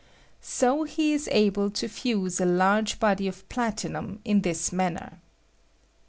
So he is able to fuse a large body of platinum in this manner.